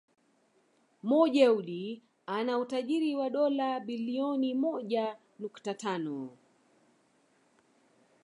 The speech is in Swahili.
Mo Dewji ana utajiri wa dola bilioni moja nukta tano